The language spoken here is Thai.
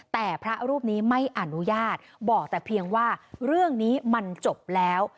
แต่พระรูปนี้ไม่อนุญาตบอกแต่เพียงว่าเรื่องนี้มันจบแล้ว